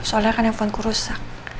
soalnya kan handphone ku rusak